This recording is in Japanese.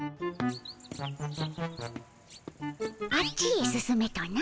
あっちへ進めとな？